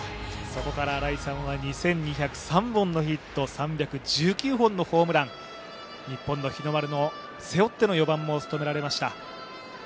そこから新井さんは２２０３本のヒット、３１９本のホームラン、日の丸を背負っての４番も務められました。